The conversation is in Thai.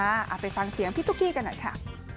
เอาไปฟังเสียงพี่ตุ๊กกี้กันหน่อยค่ะ